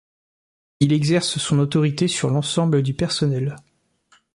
Il exerce son autorité sur l'ensemble du personnel.